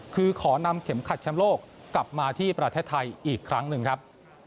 คือขอนำเข็มขัดแชมป์โลกกลับมาที่ประเทศไทยอีกครั้งหนึ่งครับ